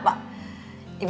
bapak kira mikirin apa